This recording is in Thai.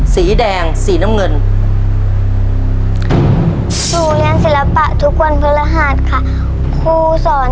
สีแดงสีน้ำเงิน